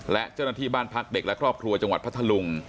และเจ้าหน้าที่บ้านพักเด็กและครอบครัวจังหวัดพัทธลุง